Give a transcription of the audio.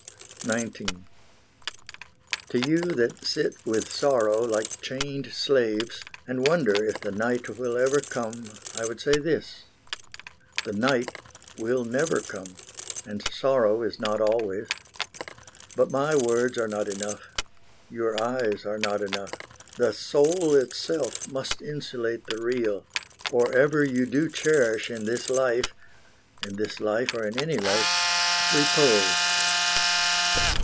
XIX To you that sit with Sorrow like chained slaves, And wonder if the night will ever come, I would say this: The night will never come, And sorrow is not always. But my words Are not enough; your eyes are not enough; The soul itself must insulate the Real, Or ever you do cherish in this life In this life or in any life repose.